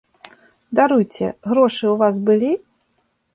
Даруйце, грошы ў вас былі?